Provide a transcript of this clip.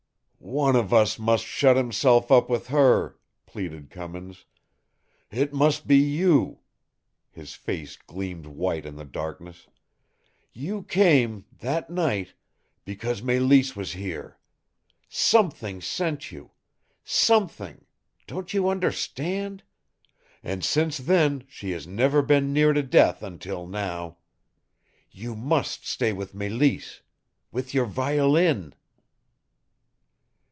"One of us must shut himself up with her," pleaded Cummins. "It must be you." His face gleamed white in the darkness. "You came that night because Mélisse was here. SOMETHING sent you SOMETHING don't you understand? And since then she has never been near to death until now. You must stay with Mélisse WITH YOUR VIOLIN!"